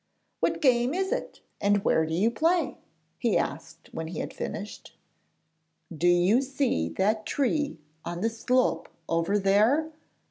'What game is it, and where do you play?' he asked when he had finished. 'Do you see that tree on the slope over there?